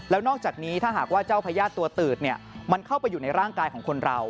แล้วนอกจากนี้ถ้าหากว่าเจ้าพญาติตัวตืดมันเข้าไปอยู่ในร่างกายของคนเรา